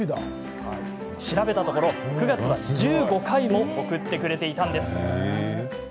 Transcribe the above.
調べたところ、９月は１５回も送ってくれていたんです。